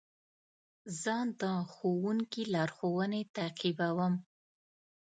زه د ښوونکي لارښوونې تعقیبوم.